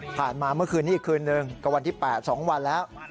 มาเมื่อคืนนี้อีกคืนนึงก็วันที่๘๒วันแล้ว